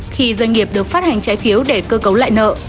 khi doanh nghiệp được phát hành trái phiếu để cơ cấu lại nợ